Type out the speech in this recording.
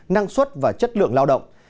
năng suất và chất lượng lao động